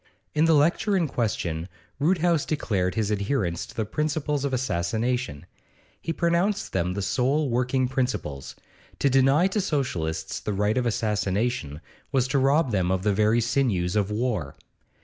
In the lecture in question Roodhouse declared his adherence to the principles of assassination; he pronounced them the sole working principles; to deny to Socialists the right of assassination was to rob them of the very sinews of war.